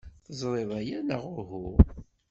Teẓriḍ aya, neɣ uhu?